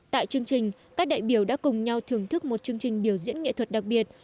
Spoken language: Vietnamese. tại chương trình các đại biểu đã cùng nhau thưởng thức một chương trình biểu diễn nghệ thuật đặc biệt